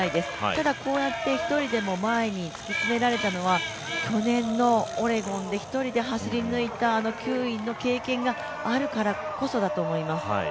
ただこうやって一人でも前に突き詰められたのは、去年のオレゴンで１人で走り抜いたあの９位の経験があるからこそだと思います。